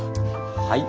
はい。